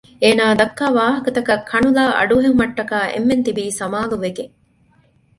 އޭނާ ދައްކާ ވާހަކަތައް ކަނުލާ އަޑުއެހުމައްޓަކާ އެންމެން ތިބީ ސަމާލުވެގެން